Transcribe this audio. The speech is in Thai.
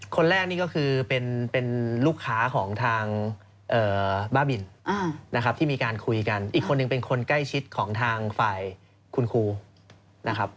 คนแรกนี่ก็คือเป็นลูกค้าของทางบ้าบินนะครับที่มีการคุยกันอีกคนหนึ่งเป็นคนใกล้ชิดของทางฝ่ายคุณครูนะครับ